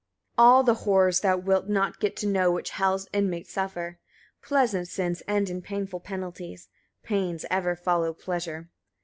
68. All the horrors thou wilt not get to know which Hel's inmates suffer. Pleasant sins end in painful penalties: pains ever follow pleasure.